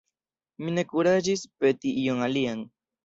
Mi ne kuraĝis peti ion alian.